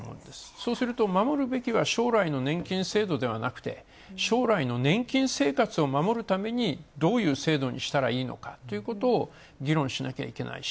そうすると守るべきは将来の年金制度ではなくて将来の年金生活を守るためにどういう制度にしたらいいのかということを議論しなきゃいけないし。